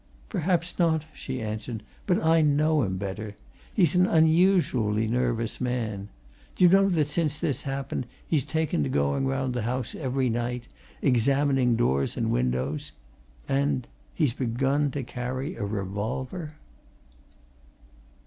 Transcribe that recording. "Perhaps not," she answered. "But I know him better. He's an unusually nervous man. Do you know that since this happened he's taken to going round the house every night, examining doors and windows? And he's begun to carry a revolver."